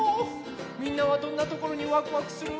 みんなはどんなところにワクワクする？